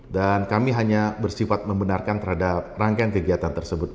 dan kami hanya bersifat membenarkan terhadap rangkaian kegiatan tersebut